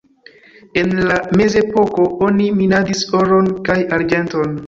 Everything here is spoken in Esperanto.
En la mezepoko oni minadis oron kaj arĝenton.